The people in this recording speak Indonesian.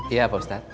iya pak ustadz